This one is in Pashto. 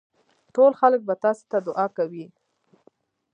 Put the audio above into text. ټول خلک به تاسي ته دعا کوي.